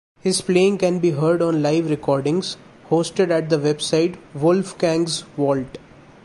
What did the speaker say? His playing can be heard on live recordings hosted at the website Wolfgang's Vault.